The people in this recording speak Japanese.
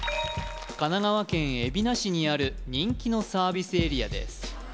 神奈川県海老名市にある人気のサービスエリアです